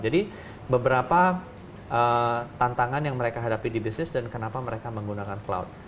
jadi beberapa tantangan yang mereka hadapi di bisnis dan kenapa mereka menggunakan cloud